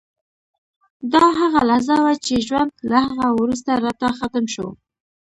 دا هغه لحظه وه چې ژوند له هغه وروسته راته ختم شو